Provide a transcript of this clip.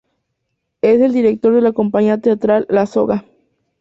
Es el director de la compañía teatral "La Soga".